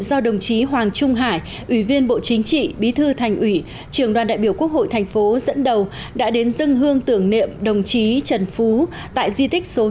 xin chào và hẹn gặp lại